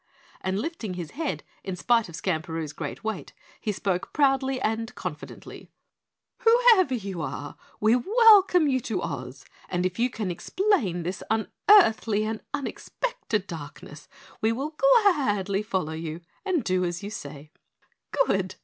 And lifting his head, in spite of Skamperoo's great weight, he spoke proudly and confidently, "Whoever you are, we welcome you to Oz, and if you can explain this unearthly and unexpected darkness we will gladly follow you and do as you say." "Good!"